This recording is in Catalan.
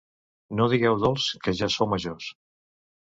No digueu dois, que ja sou majors.